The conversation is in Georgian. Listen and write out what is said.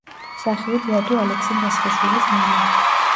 მსახიობ ლადო ალექსი-მესხიშვილის მამა.